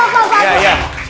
tepuk tangan aku aku aku